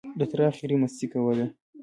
ده تر اخره مستۍ کولې.